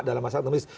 dalam masalah teknis